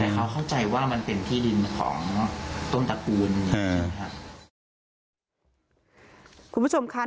แต่เขาเข้าใจว่ามันเป็นที่ดินของต้นตระกูลค่ะคุณผู้ชมค่ะ